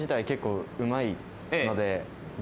結構うまいので。